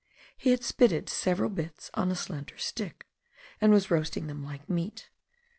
He had spitted several bits on a slender stick, and was roasting them like meat.